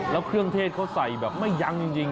แล้วเครื่องเทศเขาใส่แบบไม่ยั้งจริง